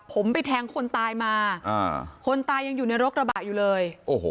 ผมไปแทงคนตายมาคนตายยังอยู่ในรถกระบะอยู่เลย